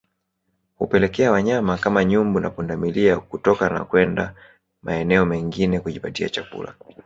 Hupelekea wanyama kama nyumbu na pundamilia kutoka na kuenda maeneo mengine kujipatia chakula